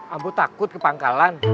ambo takut kepangkalan